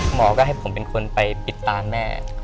หมอก็ให้ผมเป็นคนไปปิดตาแม่